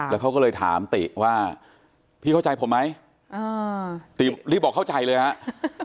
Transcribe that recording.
แล้วเขาก็เลยถามติว่าพี่เข้าใจผมไหมติรีบบอกเข้าใจเลยครับ